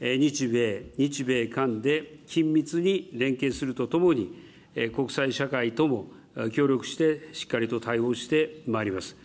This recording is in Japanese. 日米、日米韓で緊密に連携するとともに、国際社会とも協力してしっかりと対応してまいります。